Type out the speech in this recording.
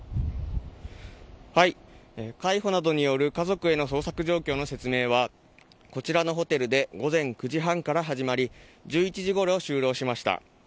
海保などによる家族への捜索状況の説明は、こちらのホテルで午前９時半から始まり、１１時ごろ終了しました。